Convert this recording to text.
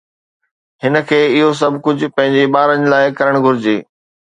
هن کي اهو سڀ ڪجهه پنهنجي ٻارن لاءِ ڪرڻ گهرجي